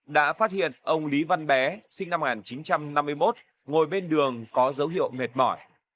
đã phát hiện ông lý văn bé sinh năm một nghìn chín trăm năm mươi một ngồi bên đường có dấu hiệu mệt mỏi